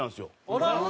あら！